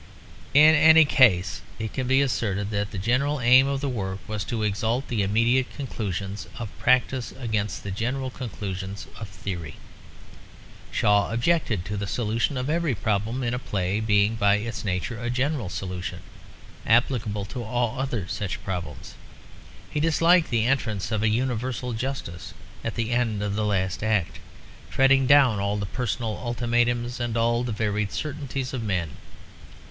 In any case it can be asserted that the general aim of the work was to exalt the immediate conclusions of practice against the general conclusions of theory. Shaw objected to the solution of every problem in a play being by its nature a general solution, applicable to all other such problems. He disliked the entrance of a universal justice at the end of the last act; treading down all the personal ultimatums and all the varied certainties of men.